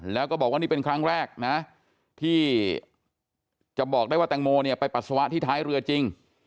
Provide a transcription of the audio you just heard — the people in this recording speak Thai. แล้วก็บอกว่านี่เป็นครั้งแรกนะที่จะบอกได้ว่าแตงโมเนี่ยไปปัสสาวะที่ท้ายเรือจริง